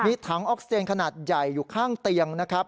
มีถังออกซิเจนขนาดใหญ่อยู่ข้างเตียงนะครับ